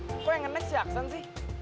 mer kok yang ngenek si aksan sih